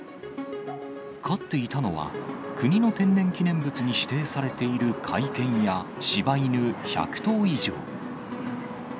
飼っていたのは、国の天然記念物に指定されている甲斐犬やしば犬１００頭以上。